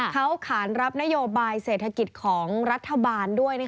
เขาขานรับนโยบายเศรษฐกิจของรัฐบาลด้วย